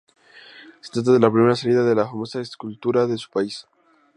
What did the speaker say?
Se trata de la primera salida de la famosa escultura de su país.